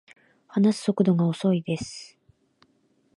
話す速度が遅いです